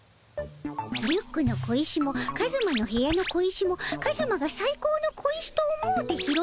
リュックの小石もカズマの部屋の小石もカズマがさい高の小石と思うて拾った小石であろ？